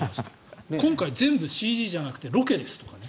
今回、全部ＣＧじゃなくてロケですとかね。